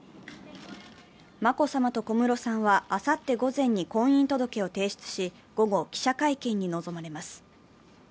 眞子さまと小室さんは、あさって午前に婚姻届を提出し、午後、記者会見に臨まれます。